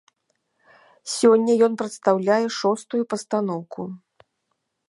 Сёння ён прадстаўляе шостую пастаноўку.